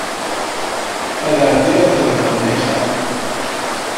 Ad ɛeddiɣ ad xedmeɣ lmakla.